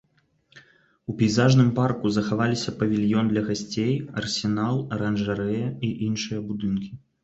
У пейзажным парку захаваліся павільён для гасцей, арсенал, аранжарэя і іншыя будынкі.